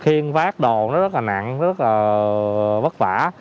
khiến vác đồ rất là nặng rất là vất vả